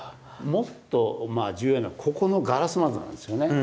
もっと重要なのはここのガラス窓なんですよね。